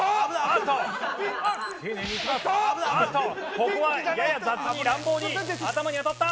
ここはやや雑に乱暴に頭に当たった！